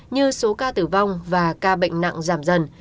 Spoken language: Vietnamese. như số ca tử vong và ca bệnh nặng giảm dần